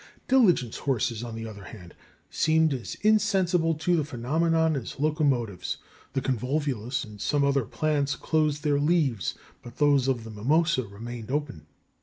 Diligence horses, on the other hand, seemed as insensible to the phenomenon as locomotives. The convolvulus and some other plants closed their leaves, but those of the mimosa remained open.